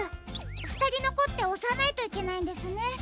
ふたりのこっておさないといけないんですね。